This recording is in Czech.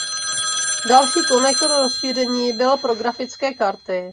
Další konektor rozšíření byl pro grafické karty.